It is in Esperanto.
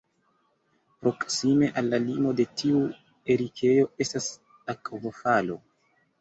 Proksime al la limo de tiu erikejo estas akvofalo.